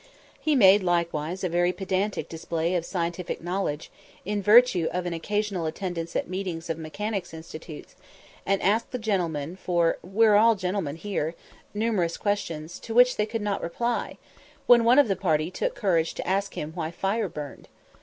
He made likewise a very pedantic display of scientific knowledge, in virtue of an occasional attendance at meetings of mechanics' institutes, and asked the gentlemen for "We're all gentlemen here" numerous questions, to which they could not reply, when one of the party took courage to ask him why fire burned.